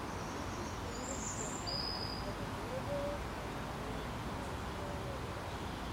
He has been described as a liberal, a moderate, and a neoliberal.